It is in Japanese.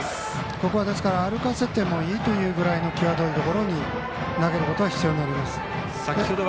ここは歩かせてもいいというぐらいの際どいところに投げることが必要になります。